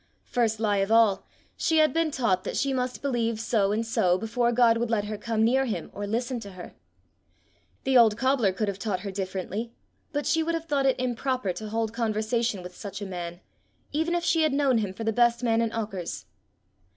First lie of all, she had been taught that she must believe so and so before God would let her come near him or listen to her. The old cobbler could have taught her differently; but she would have thought it improper to hold conversation with such a man, even if she had known him for the best man in Auchars.